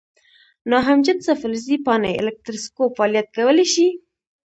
ناهمجنسه فلزي پاڼې الکتروسکوپ فعالیت کولی شي؟